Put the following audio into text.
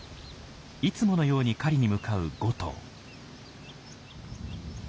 いつものように狩りに向かう５頭。